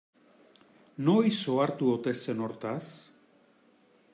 Noiz ohartu ote zen hortaz?